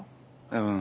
うん。